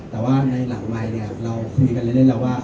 แต่ว่าในหลังไมค์เนี่ยเราคุยกันเล่นแล้วว่า